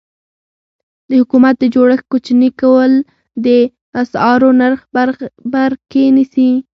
د حکومت د جوړښت کوچني کول د اسعارو نرخ بر کې نیسي.